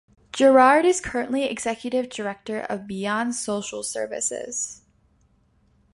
Gerard is currently executive director of Beyond Social Services.